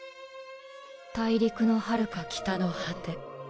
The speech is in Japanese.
「大陸のはるか北の果て」。